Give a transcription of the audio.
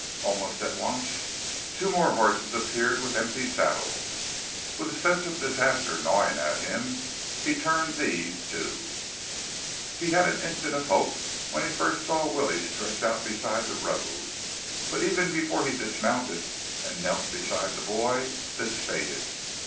Almost at once, two more horses appeared with empty saddles. With a sense of disaster gnawing at him, he turned these, too. He had an instant of hope when he first saw Willie stretched out beside the road; but even before he dismounted and knelt beside the boy, this faded.